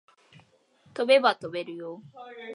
飛べば飛べるよ